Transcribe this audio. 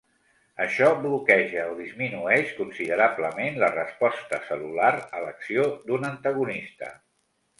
Això bloqueja o disminueix considerablement la resposta cel·lular a l'acció d'un antagonista.